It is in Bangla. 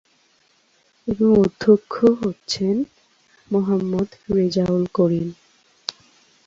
এবং অধ্যক্ষ হচ্ছেন মোহাম্মদ রেজাউল করিম।